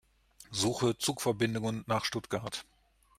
Suche Zugverbindungen nach Stuttgart.